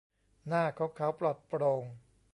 หน้าของเขาปลอดโปร่ง